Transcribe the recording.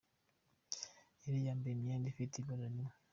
Yari yambaye imyenda ifite ibara rimwe.